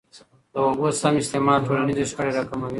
د اوبو سم استعمال ټولنیزي شخړي را کموي.